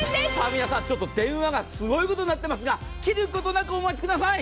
皆さん、電話がすごいことになっていますが切ることなくお待ちください。